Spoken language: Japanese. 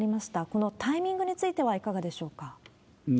このタイミングについてはいかがでしょうか？